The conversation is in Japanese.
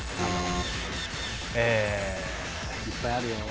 いっぱいあるよ。